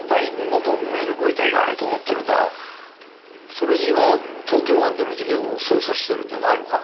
それに今は東京湾での事件を捜査してるんじゃないのか？